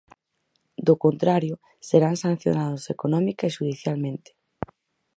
Do contrario, serán sancionados económica e xudicialmente.